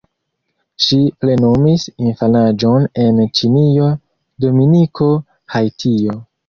Ŝi plenumis infanaĝon en Ĉinio, Dominiko, Haitio.